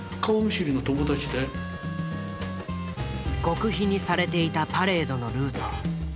極秘にされていたパレードのルート。